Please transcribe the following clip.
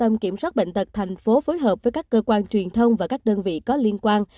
tâm kiểm soát bệnh tật thành phố phối hợp với các cơ quan truyền thông và các đơn vị có liên quan